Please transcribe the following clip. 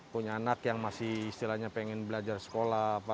punya anak yang masih istilahnya pengen belajar sekolah